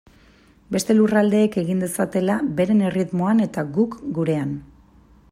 Beste lurraldeek egin dezatela beren erritmoan eta guk gurean.